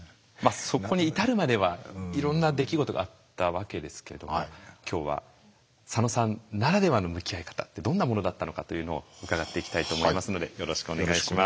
そこに至るまではいろんな出来事があったわけですけども今日は佐野さんならではの向き合い方ってどんなものだったのかというのを伺っていきたいと思いますのでよろしくお願いします。